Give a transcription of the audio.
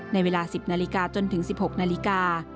ในเวลา๑๐นาฬิกาจนถึง๑๖นาฬิกา